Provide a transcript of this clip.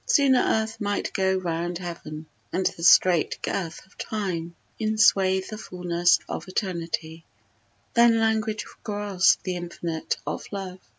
Sooner earth Might go round heaven, and the straight girth of Time Inswathe the fullness of Eternity, Than language grasp the infinite of Love.